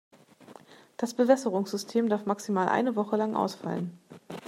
Das Bewässerungssystem darf maximal eine Woche lang ausfallen.